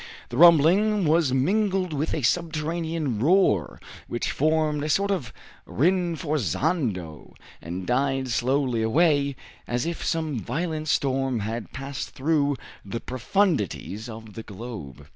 The rumbling was mingled with a subterranean roar, which formed a sort of rinforzando, and died slowly away, as if some violent storm had passed through the profundities of the globe.